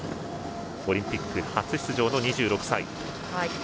オリンピック初出場の２６歳。